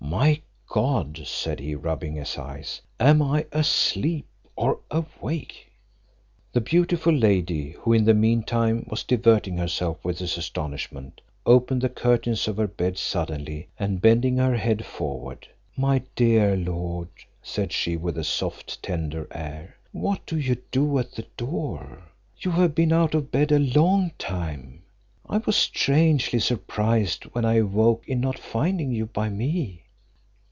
"My God!" said he, rubbing his eyes, "am I asleep or awake?" The beautiful lady, who in the mean time was diverting herself with his astonishment, opened the curtains of her bed suddenly, and bending her head forward, "My dear lord," said she, with a soft, tender air, "what do you do at the door? You have been out of bed a long time. I was strangely surprised when I awoke in not finding you by me."